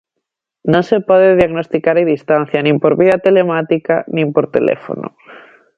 Non se pode diagnosticar a distancia nin por vía telemática nin por teléfono.